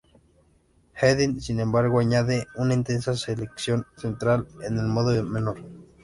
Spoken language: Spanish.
Haydn, sin embargo, añade una intensa sección central en el modo menor.